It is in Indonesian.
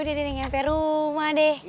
udah deh nih gak sampai rumah